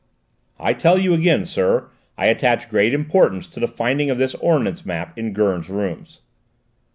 "I tell you again, sir, I attach great importance to the finding of this ordnance map in Gurn's rooms."